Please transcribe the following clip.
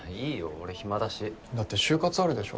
俺暇だしだって就活あるでしょ？